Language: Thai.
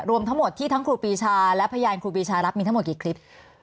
รวมทั้งหมดที่ทั้งครูปีชาและพยานครูปีชารับมีทั้งหมดกี่คลิป